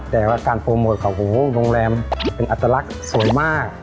แต่ว่าการโปรโมทของโหโรงแรมเป็นอัตลักษณ์สวยมาก